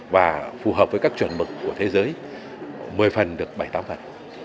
và phù hợp với các chuẩn mực của thế giới một mươi phần được bảy mươi tám phần